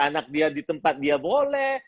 anak dia di tempat dia boleh